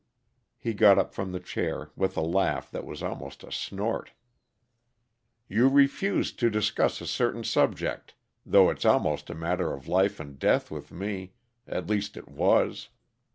He got up from the chair, with a laugh that was almost a snort. "You refuse to discuss a certain subject, though it's almost a matter of life and death with me; at least, it was.